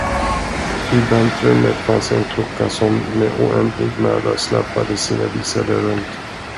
I väntrummet fanns en klocka som med oändlig möda släpade sina visare runt.